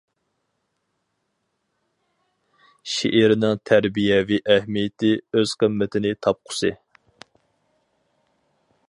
شېئىرنىڭ تەربىيەۋى ئەھمىيىتى ئۆز قىممىتىنى تاپقۇسى!